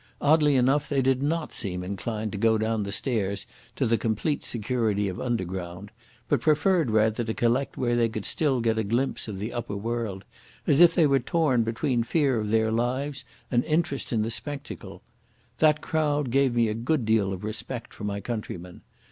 Oddly enough they did not seem inclined to go down the stairs to the complete security of underground; but preferred rather to collect where they could still get a glimpse of the upper world, as if they were torn between fear of their lives and interest in the spectacle. That crowd gave me a good deal of respect for my countrymen.